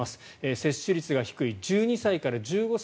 接種率が低い１２歳から１５歳